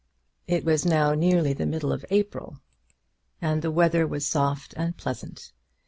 It was now nearly the middle of April, and the weather was soft and pleasant.